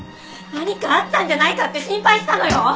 何かあったんじゃないかって心配したのよ